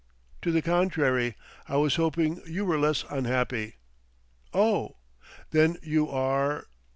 "To the contrary, I was hoping you were less unhappy." "Oh! Then you are